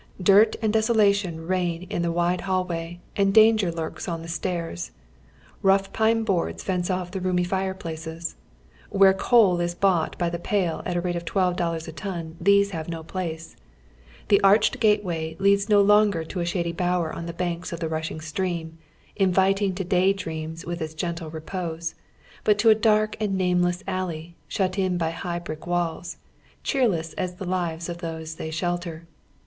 Dii't and desolation reign in the wide hallway, and danger lurks on the stairs. Rough pine boards fence off the roomy fire places — where coal is bought by the pail at tlie rate of twelve dollars a ton these have no ])lace. Tho arched gateway leads no longer to a shady bowei on the banks of the rushing stream, inviting to day dreams with its gentle repose, but to a dark and nameless alley, shut in by high brick walls, cheerless as the lives of those they oyGoogle m slioltcr.